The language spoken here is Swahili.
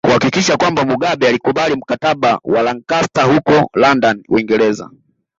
Kuhakikisha kwamba Mugabe alikubali Mkataba wa Lancaster huko London Uingereza